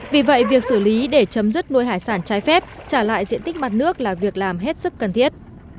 vì vậy việc xử lý để chấm dứt nuôi hải sản trái phép trả lại diện tích mặt nước là việc làm hết sức cần thiết